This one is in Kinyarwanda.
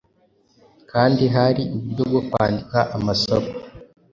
kandi hari uburyo bwo kwandika amasaku